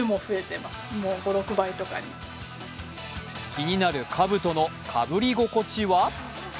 気になるかぶとのかぶり心地は？